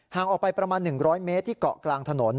ออกไปประมาณ๑๐๐เมตรที่เกาะกลางถนน